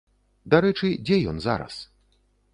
Дарэчы, дзе ён зараз?